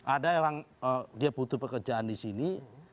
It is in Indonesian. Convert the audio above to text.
ada orang dia butuh pekerjaan di sini